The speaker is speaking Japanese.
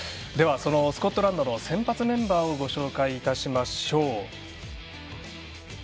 そのスコットランドの先発メンバーをご紹介しましょう。